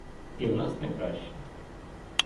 І в нас не краще.